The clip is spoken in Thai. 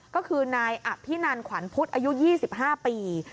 ก็คือนายอภินันขวัญพุทธอายุ๒๕ปี